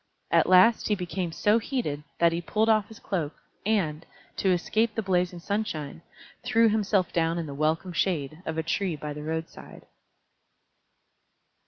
At last he became so heated that he pulled off his cloak, and, to escape the blazing sunshine, threw himself down in the welcome shade of a tree by the roadside.